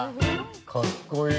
かっこいい。